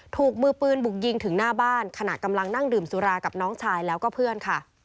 ถูกมือปืนบุกยิงถึงหน้าบ้านขณะกำลังนั่งดื่มสุรากับน้องชายแล้วก็เพื่อนค่ะ